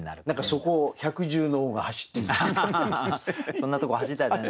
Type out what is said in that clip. そんなとこ走りたいですね。